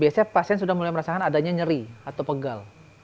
biasanya pasien sudah mulai merasakan adanya nyeri atau pegal